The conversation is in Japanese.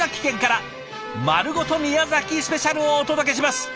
「まるごと宮崎スペシャル！」をお届けします！